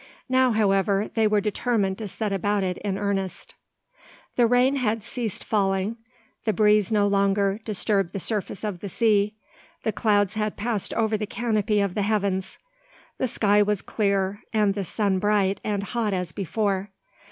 Now, however, they were determined to set about it in earnest. The rain had ceased falling; the breeze no longer disturbed the surface of the sea. The clouds had passed over the canopy of the heavens, the sky was clear, and the sun bright and hot as before.